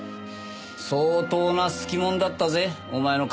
相当な好きもんだったぜお前の母ちゃんは。